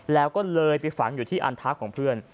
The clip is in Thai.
แล้วก็เลยไปฝังอยู่ที่อันทะของเพื่อน